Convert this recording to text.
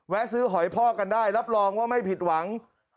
ซื้อหอยพ่อกันได้รับรองว่าไม่ผิดหวัง